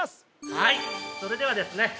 はいそれではですね